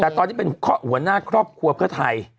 แต่ตอนนี้เป็นข้อหัวหน้าคลอบครัวไทย